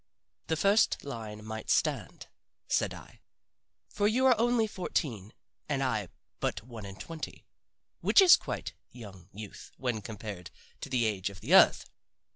The first line might stand," said I, "for you are only fourteen, and I but one and twenty which is quite young youth when compared to the age of the earth.